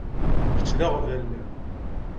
Kečč d aɣbel.